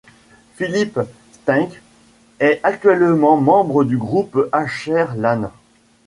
Philipp Steinke est actuellement membre du groupe Asher Lane.